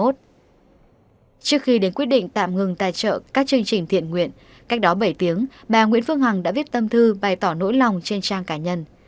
trước khi đến quyết định tạm ngừng tài trợ các chương trình thiện nguyện cách đó bảy tiếng bà nguyễn phương hằng đã viết tâm thư bày tỏ nỗi lòng trên trang cá nhân